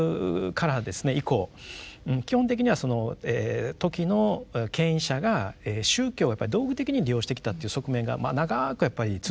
以降基本的には時の権威者が宗教をやっぱり道具的に利用してきたっていう側面が長くやっぱり続いてきてますよね。